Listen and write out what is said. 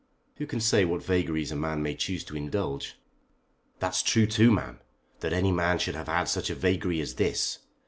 "Who can say what vagaries a man may choose to indulge?" "That's true too, ma'am. That any man should have had such a vagary as this!